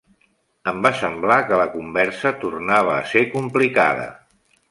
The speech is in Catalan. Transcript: Em va semblar que la conversa tornava a ser complicada.